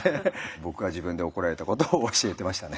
僕が自分で怒られたことを教えてましたね。